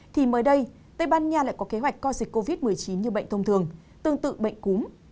thì mới đây tây ban nha lại có kế hoạch co dịch covid một mươi chín như bệnh thông thường tương tự bệnh cúm